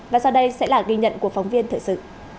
và sau đây sẽ là ghi nhận của phóng viên thời sự